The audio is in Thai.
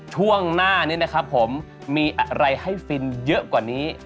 ช่วงหน้านี้นะครับผมมีอะไรให้ฟินเยอะกว่านี้